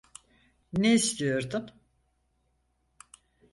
Ne istiyordun?